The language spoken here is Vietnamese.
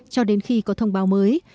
cho đến khi có thông báo mới